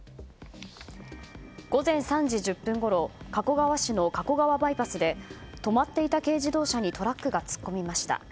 午前３時１０分ごろ加古川市の加古川バイパスで止まっていた軽自動車にトラックが突っ込みました。